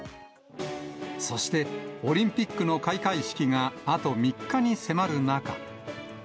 そして、オリンピックの開会式があと３日に迫る中。